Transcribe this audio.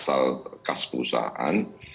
asal kas perusahaan